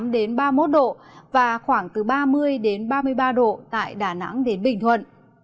hai mươi tám ba mươi một độ và khoảng từ ba mươi ba mươi ba độ tại đà nẵng đến bình thuận